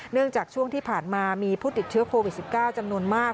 จากช่วงที่ผ่านมามีผู้ติดเชื้อโควิด๑๙จำนวนมาก